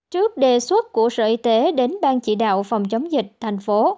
trước đề xuất của sở y tế đến ban chỉ đạo phòng chống dịch thành phố